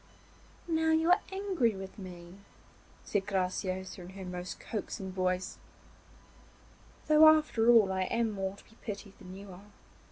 'Now you are angry with me,' said Graciosa in her most coaxing voice, 'though after all I am more to be pitied than you are.